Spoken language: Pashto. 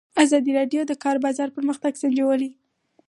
ازادي راډیو د د کار بازار پرمختګ سنجولی.